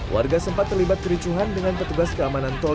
warga sempat terlibat kericuhan dengan petugas keamanan tol